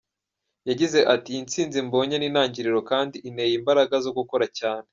Yagize ati “Iyi ntsinzi mbonye n’intangiriro kandi inteye imbaraga zo gukora cyane.